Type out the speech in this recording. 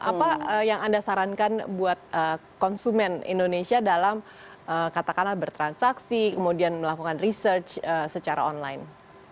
apa yang anda sarankan buat konsumen indonesia dalam katakanlah bertransaksi kemudian melakukan research secara online